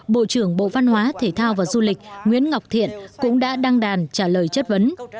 bộ trưởng bộ văn hóa thể thao và du lịch nguyễn ngọc thiện cũng đã đăng đàn trả lời chất vấn